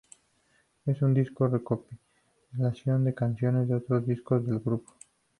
Es un disco recopilación de canciones de otros discos del grupo.